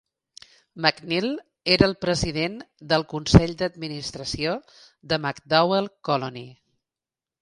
MacNeil era el president del consell d'administració de MacDowell Colony.